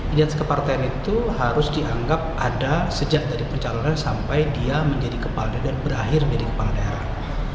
identitas kepartean itu harus dianggap ada sejak dari pencalonan sampai dia menjadi kepala dan berakhir menjadi kepala daerah